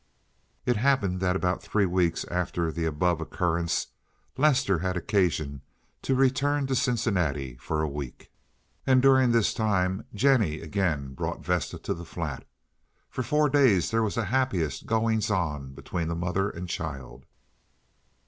It happened that about three weeks after the above occurrence Lester had occasion to return to Cincinnati for a week, and during this time Jennie again brought Vesta to the flat; for four days there was the happiest goings on between the mother and child.